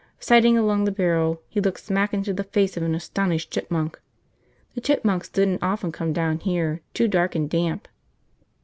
Sighting along the barrel, he looked smack into the face of an astonished chipmunk. The chipmunks didn't often come down here, too dark and damp.